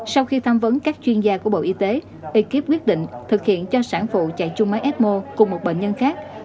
sau khi tham vấn các chuyên gia của bộ y tế ekip quyết định thực hiện cho sản phụ chạy chung máy fmo cùng một bệnh nhân khác